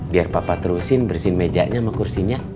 biar papa terusin bersihin mejanya sama kursinya